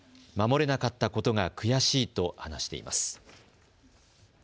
守れなかったことが悔しいと話しています。